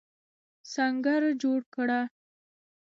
سنګر جوړ کړه.